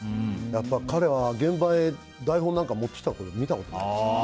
彼は現場へ台本なんか持ってきたこと見たことない。